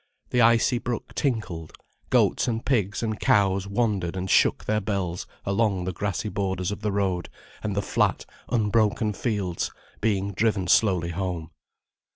The icy brook tinkled, goats, pigs and cows wandered and shook their bells along the grassy borders of the road and the flat, unbroken fields, being driven slowly home.